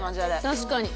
確かに。